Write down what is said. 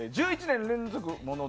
１１年連続モノ